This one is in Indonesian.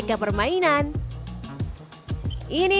ini adalah peraduan yang paling menarik